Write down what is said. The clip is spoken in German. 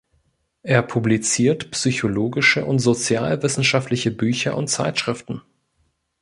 Er publiziert psychologische und sozialwissenschaftliche Bücher und Zeitschriften.